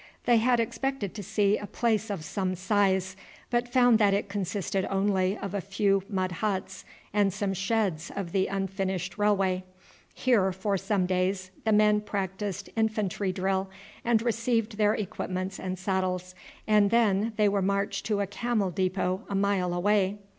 They had expected to see a place of some size, but found that it consisted only of a few mud huts and some sheds of the unfinished railway. Here for some days the men practised infantry drill and received their equipments and saddles, and then they were marched to the camel depot a mile away.